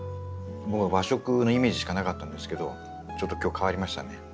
僕は和食のイメージしかなかったんですけどちょっと今日変わりましたね。